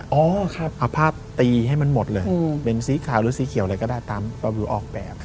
เอาภาพตีให้มันหมดเลยเป็นสีขาวหรือสีเขียวอะไรก็ได้ตามประวิวออกแบบ